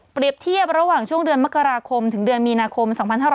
เทียบระหว่างช่วงเดือนมกราคมถึงเดือนมีนาคม๒๕๕๙